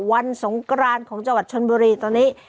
สงกรานของจังหวัดชนบุรีตอนนี้